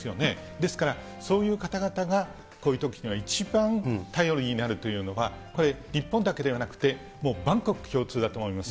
ですから、そういう方々がこういうときには一番頼りになるというのは、これ、日本だけではなくて、もう万国共通だと思います。